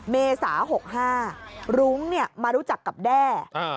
เม๖๕หรุ้งเนี่ยมารู้จักกับแด้